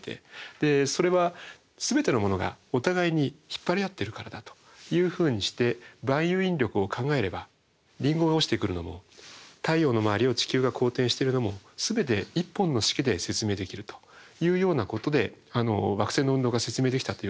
それは全てのものがお互いに引っ張り合ってるからだというふうにして万有引力を考えればリンゴが落ちてくるのも太陽の周りを地球が公転してるのも全て１本の式で説明できるというようなことで惑星の運動が説明できたということですね。